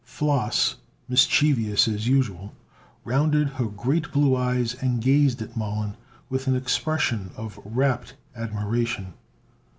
Flos, mischievous as usual, rounded her great blue eyes and gazed at Mollon with an expression of rapt admiration.